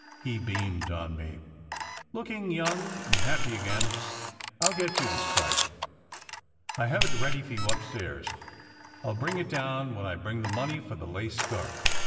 he beamed on me, looking young and happy again. " I ll get you the stripe. I have it ready for you upstairs. I ll bring it down when I bring the money for the lace scarf.